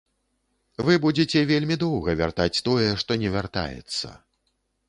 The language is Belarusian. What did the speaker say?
Вы будзеце вельмі доўга вяртаць тое, што не вяртаецца.